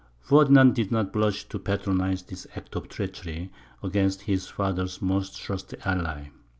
Ferdinand did not blush to patronize this act of treachery against his father's most trusty ally.